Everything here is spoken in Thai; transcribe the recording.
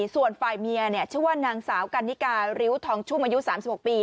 ส่วนฝ่ายเมียชื่อว่านางสาวกันนิการิ้วทองชุ่มอายุ๓๖ปี